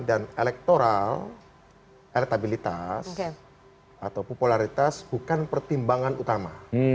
dan elektoral elektabilitas atau popularitas bukan pertimbangan utama